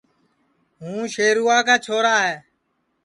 ہوں شیروا کا چھورا ہے